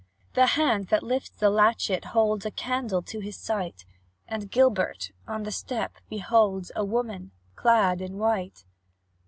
The hand that lifts the latchet, holds A candle to his sight, And Gilbert, on the step, beholds A woman, clad in white.